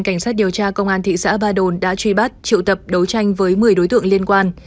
cảnh sát điều tra công an thị xã ba đồn đã truy bắt triệu tập đấu tranh với một mươi đối tượng liên quan